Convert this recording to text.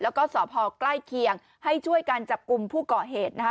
แล้วก็สพใกล้เคียงให้ช่วยกันจับกลุ่มผู้ก่อเหตุนะคะ